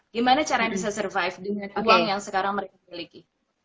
gimana cara bisa survive dengan uang yang sekarang mereka miliki